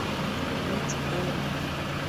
Let's go.